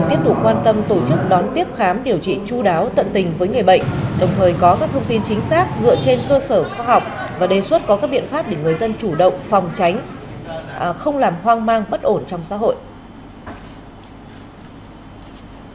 tiếp tục quan tâm tổ chức đón tiếp khám điều trị chú đáo tận tình với người bệnh đồng thời có các thông tin chính xác dựa trên cơ sở khoa học và đề xuất có các biện pháp để người dân chủ động phòng tránh không làm hoang mang bất ổn trong xã hội